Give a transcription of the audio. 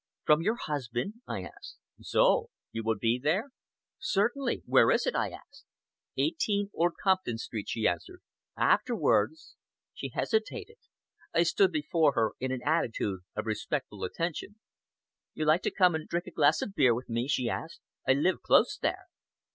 "From your husband?" I asked. "So! You will be there?" "Certainly! Where is it?" I asked. "18, Old Compton Street," she answered. "Afterwards " She hesitated. I stood before her in an attitude of respectful attention. "You like to come and drink a glass of beer with me?" she asked. "I live close there."